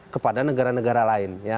kepada negara negara lain